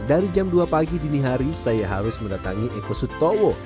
dari jam dua pagi dini hari saya harus mendatangi eko sutowo